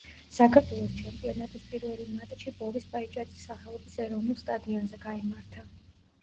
საქართველოს ჩემპიონატის პირველი მატჩი ბორის პაიჭაძის სახელობის ეროვნულ სტადიონზე გაიმართა.